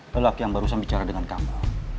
lelaki yang baru saya bicara dengan kamu